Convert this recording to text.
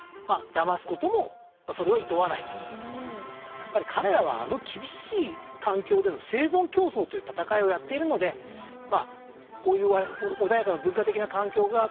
やっぱり彼らはあの厳しい環境での生存競争という戦いをやっているのでまあこういう穏やかな文化的な環境が整ってる人間とはちょっと違うかなと。